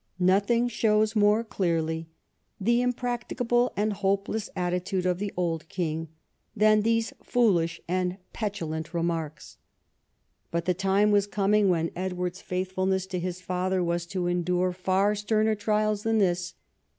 Nothing shows more clearly the impracticable and hopeless attitude of the old king than these foolish and petulant remarks. But the time Avas coming when Edward's faithfulness to his father was to endure far sterner trials than this.